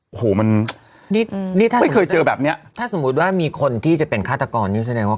โอ้โหมันนี่ถ้าไม่เคยเจอแบบเนี้ยถ้าสมมุติว่ามีคนที่จะเป็นฆาตกรนี่แสดงว่า